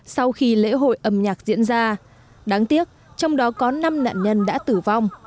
sau khi lễ hội âm nhạc diễn ra đáng tiếc trong đó có năm nạn nhân đã tử vong